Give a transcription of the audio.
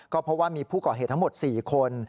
ก็เพราะว่ามีผู้ก่อเหตุทั้งหมด๔คน